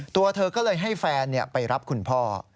ตัวเธอก็เลยให้แฟนไปรับคุณพ่อ